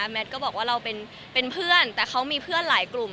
แมทก็บอกว่าเราเป็นเพื่อนแต่เขามีเพื่อนหลายกลุ่ม